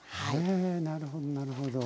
へえなるほどなるほど。